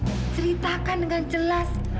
indi ceritakan dengan jelas